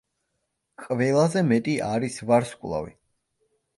ყველაზე მეტი არის ვარსკვლავი.